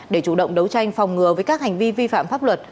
để chủ động đấu tranh phòng ngừa với các hành vi vi phạm pháp luật